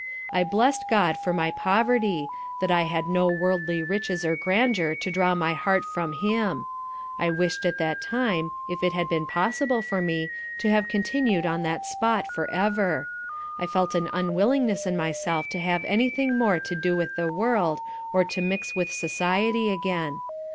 I blest God for my poverty, that I had no worldly riches or grandeur to draw my heart from Him. I wish'd at that time, if it had been possible for me, to have continued on that spot for ever. I felt an unwillingness in myself to have any thing more to do with the world, or to mix with society again.